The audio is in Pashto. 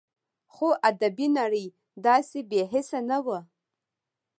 خو ادبي نړۍ داسې بې حسه نه وه